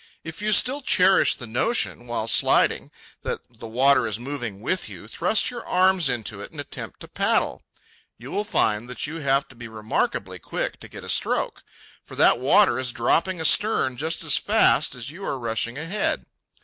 If you still cherish the notion, while sliding, that the water is moving with you, thrust your arms into it and attempt to paddle; you will find that you have to be remarkably quick to get a stroke, for that water is dropping astern just as fast as you are rushing ahead.